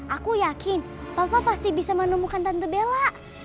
aku yakin papa pasti bisa menemukan tante bela